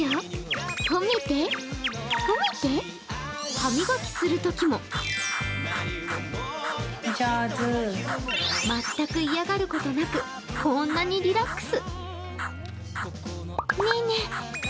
歯磨きするときも全く嫌がることなく、こんなにリラックス。